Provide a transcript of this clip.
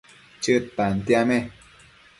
Chëd tantiame